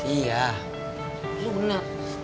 iya lo benar